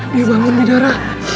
dia bangun di darah